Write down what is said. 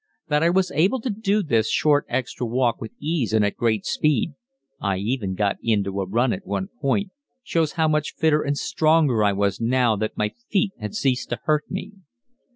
That I was able to do this short extra walk with ease and at great speed I even got into a run at one point shows how much fitter and stronger I was now that my feet had ceased to hurt me.